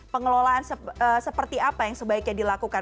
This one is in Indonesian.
pengelolaan seperti apa yang sebaiknya dilakukan